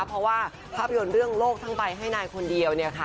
เพราะว่าภาพยนตร์เรื่องโลกทั้งใบให้นายคนเดียว